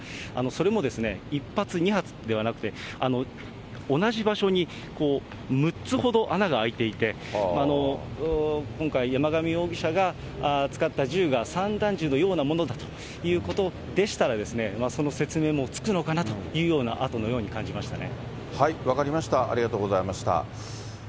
それも１発２発ではなくて、同じ場所に６つほど穴が開いていて、今回山上容疑者が使った銃が散弾銃のようなものだということでしたら、その説明もつくのかなというような、分かりました、ありがとうございました。